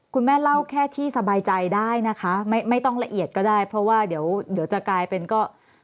คุณแม่เล่าแค่ที่สบายใจได้นะคะไม่ไม่ต้องละเอียดก็ได้เพราะว่าเดี๋ยวเดี๋ยวจะกลายเป็นก็